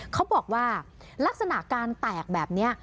เขาบอกว่าลักษณะการแตกแบบนี้